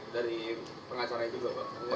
dari pengacara itu juga pak